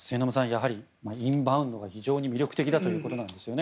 やはり、インバウンドが非常に魅力的だということなんですね。